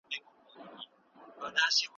سفر مو بې خطره.